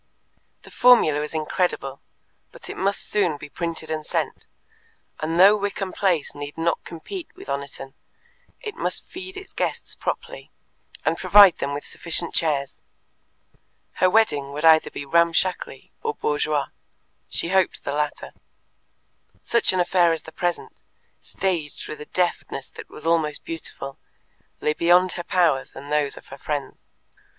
The formula was incredible, but it must soon be printed and sent, and though Wickham Place need not compete with Oniton, it must feed its guests properly, and provide them with sufficient chairs. Her wedding would either be ramshackly or bourgeois she hoped the latter. Such an affair as the present, staged with a deftness that was almost beautiful, lay beyond her powers and those of her friends.